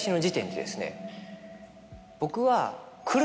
僕は。